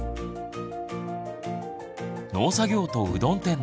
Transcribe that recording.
農作業とうどん店の経営